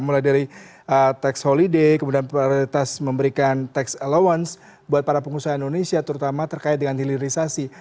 mulai dari tax holiday kemudian prioritas memberikan tax allowance buat para pengusaha indonesia terutama terkait dengan hilirisasi